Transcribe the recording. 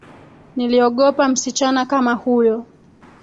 Niliogopa msichana kama huyo